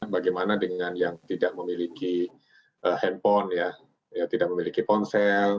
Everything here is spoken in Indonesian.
bagaimana dengan yang tidak memiliki handphone ya tidak memiliki ponsel